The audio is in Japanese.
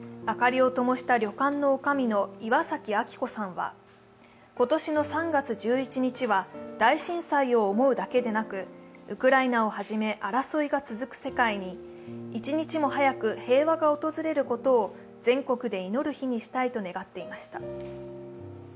明かりをともした旅館のおかみの岩崎昭子さんは今年の３月１１日は大震災を思うだけでなく、ウクライナをはじめ、争いが続く世界に一日も早く平和が訪れることを全国で祈る日にしたいと願っていました。